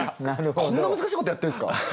こんな難しいことやってんすか？